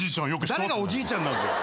誰がおじいちゃんなんだよ。